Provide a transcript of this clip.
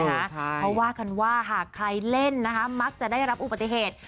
เขาว่ากันว่าหากใครเล่นนะคะมักจะได้รับอุบัติเหตุ